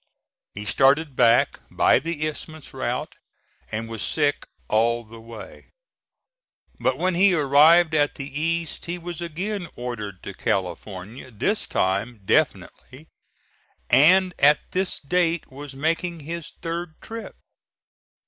He started back by the Isthmus route and was sick all the way. But when he arrived at the East he was again ordered to California, this time definitely, and at this date was making his third trip.